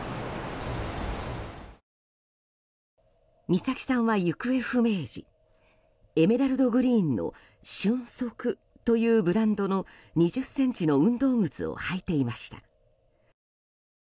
美咲さんは行方不明時エメラルドグリーンの瞬足というブランドの２０ｃｍの運動靴を履いていました。